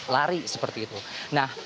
lari seperti itu nah